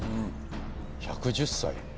１１０歳？